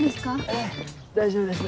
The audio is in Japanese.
ええ大丈夫です。